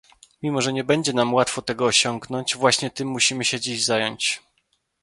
Mimo że nie będzie nam łatwo tego osiągnąć, właśnie tym musimy się dziś zająć